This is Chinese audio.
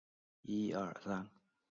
庆应义塾大学毕业。